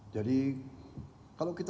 jadi kalau kita